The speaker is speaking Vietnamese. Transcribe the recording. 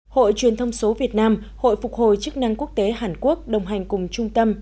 hội truyền thông số việt nam hội phục hồi chức năng quốc tế hàn quốc đồng hành cùng trung tâm